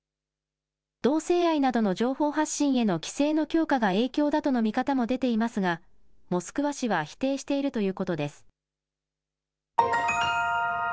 同性愛などの情報発信への規制の強化が影響だとの見方も出ていますがモスクワ市は否定しているということです。